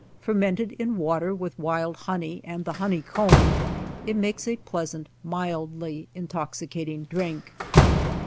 Fermented in water with wild honey and the honeycomb, it makes a pleasant, mildly intoxicating drink.